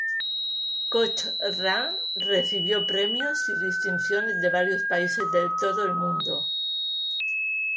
Cochran recibió premios y distinciones de varios países de todo el mundo.